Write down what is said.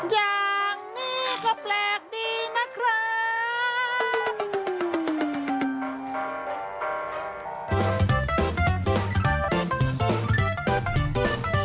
อย่างนี้ก็แปลกดีนะครับ